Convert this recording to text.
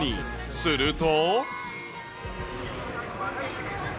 すると。